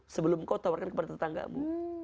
sebelum kau tawarkan kepada tetanggamu